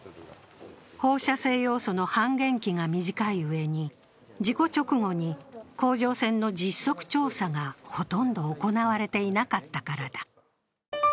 放射性ヨウ素の半減期が短い上に事故直後に甲状腺の実測調査がほとんど行われていなかったからだ。